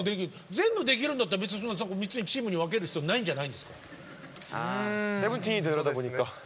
全部できるんだったら別に３つにチームに分ける必要ないんじゃないですか？